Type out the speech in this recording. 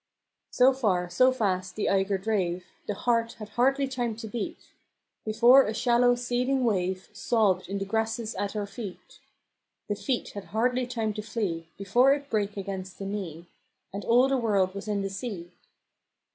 So farre, so fast the eygre drave, The heart had hardly time to beat, Before a shallow seething wave Sobbed in the grasses at oure feet; The feet had hardly time to flee Before it brake against the knee, And all the world was in the sea.